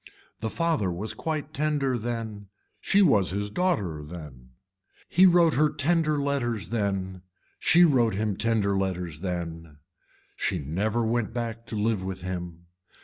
The father was quite tender then, she was his daughter then. He wrote her tender letters then, she wrote him tender letters then, she never went back to live with him.